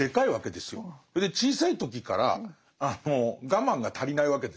それで小さい時から我慢が足りないわけですよ。